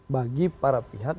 bagi para pihak